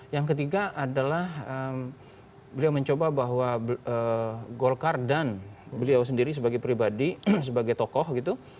yang ketiga adalah beliau mencoba bahwa golkar dan beliau sendiri sebagai pribadi sebagai tokoh gitu